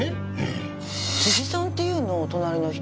辻さんっていうのお隣の人。